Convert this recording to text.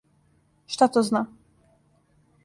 Шта то зна?